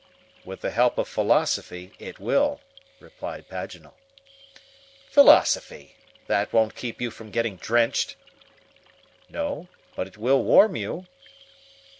"With the help of philosophy, it will," replied Paganel. "Philosophy! that won't keep you from getting drenched." "No, but it will warm you."